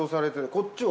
こっちは？